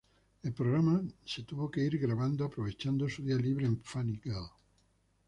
El programa se tuvo que ir grabando aprovechando su día libre en "Funny Girl".